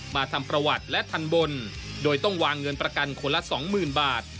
ทำประวัติและทันบนโดยต้องวางเงินประกันคนละสองหมื่นบาท